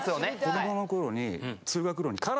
子供の頃に。